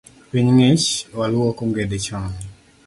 Piny ng’ich, waluok ongede chon